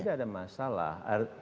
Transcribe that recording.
tidak ada masalah